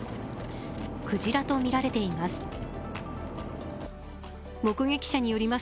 クジラとみられています。